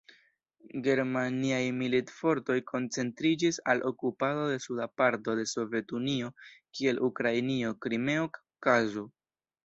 Germaniaj militfortoj koncentriĝis al okupado de suda parto de Sovetunio, kiel Ukrainio, Krimeo, Kaŭkazo.